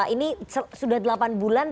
ini sudah delapan bulan